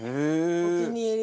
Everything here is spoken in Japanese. お気に入り。